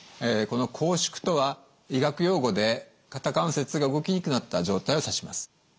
この拘縮とは医学用語で肩関節が動きにくくなった状態を指します。